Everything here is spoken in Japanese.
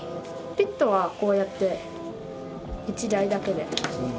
ピットはこうやって１台だけで入れるんで。